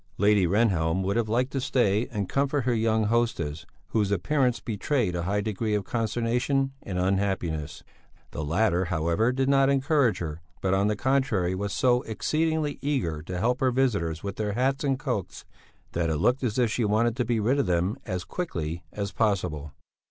Lady Rehnhjelm would have liked to stay and comfort her young hostess, whose appearance betrayed a high degree of consternation and unhappiness. The latter, however, did not encourage her, but on the contrary was so exceedingly eager to help her visitors with their hats and cloaks that it looked as if she wanted to be rid of them as quickly as possible.